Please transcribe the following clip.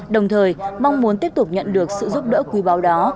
đồng thời mong muốn tiếp tục nhận được sự giúp đỡ quý báo đó